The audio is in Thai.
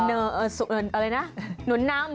อะไรนะหนุนนำ